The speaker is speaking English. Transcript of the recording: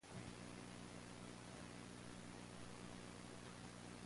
Be equally good-tempered to me, old boy!